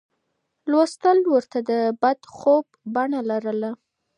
لوستل ورته د بد خوب بڼه لرله.